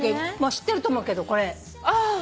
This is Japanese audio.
知ってると思うけどこれ。